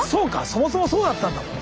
そもそもそうだったんだもん。